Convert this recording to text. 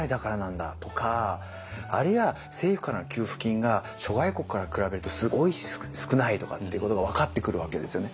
あるいは政府からの給付金が諸外国から比べるとすごい少ないとかってことが分かってくるわけですよね。